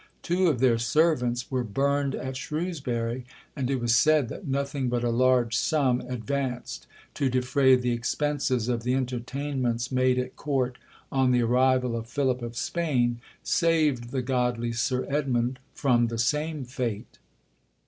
Two of their servants were burned at Shrewsbury; and it was said that nothing but a large sum, advanced to defray the expenses of the entertainments made at Court on the arrival of Philip of Spain, saved the godly Sir Edmund from the same fate.